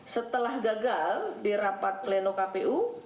setelah gagal di rapat pleno kpu